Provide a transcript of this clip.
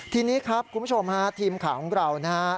ทีนี้ครับคุณผู้ชมฮะทีมข่าวของเรานะฮะ